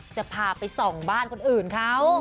จะพาไปส่องบ้านคนอื่นเขา